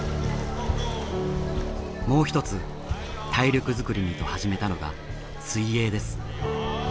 もう一つ体力作りにと始めたのが水泳です。